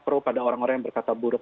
pro pada orang orang yang berkata buruk